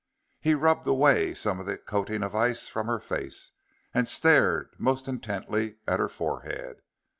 He rubbed away some of the coating of ice from her face, and stared most intently at her forehead.